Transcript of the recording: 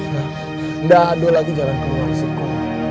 nggak ada lagi jalan keluar suko